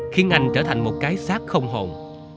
khiến anh trở thành một cái sát không hồn